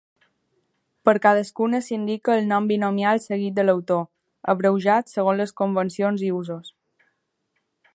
Per cadascuna s'indica el nom binomial seguit de l'autor, abreujat segons les convencions i usos.